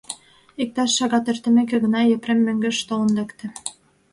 Иктаж шагат эртымеке гына, Епрем мӧҥгеш толын лекте.